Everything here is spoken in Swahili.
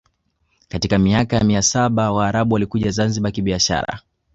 Katika miaka ya mia saba Waarabu walikuja Zanzibar kibiashara